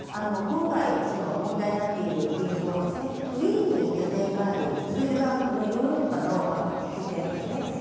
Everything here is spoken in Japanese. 今回、問題になっている銀行はウィーンに拠点があるズベルバンクのヨーロッパの拠点ですよね。